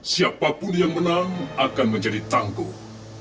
siapapun yang menang akan menjadi tangguh